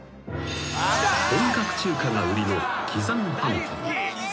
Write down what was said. ［本格中華が売りの喜山飯店］